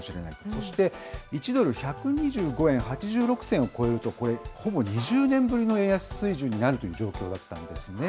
そして１ドル１２５円８６銭を超えると、これ、ほぼ２０年ぶりの円安水準になるという状況だったんですね。